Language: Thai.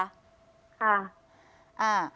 ค่ะ